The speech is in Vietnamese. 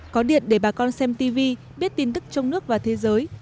có điện để bà con xem tv biết tin tức trong nước và thế giới